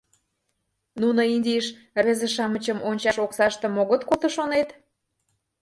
Нуно Индийыш рвезе-шамычым ончаш оксаштым огыт колто шонет?